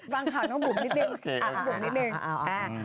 วางข่าวน้องบุ๋มนิดนึงบุ๋มนิดนึง